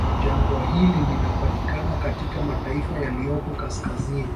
Jangwa hili linapita katika mataifa yaliyopo kaskazini